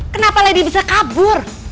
kenapa lady bisa kabur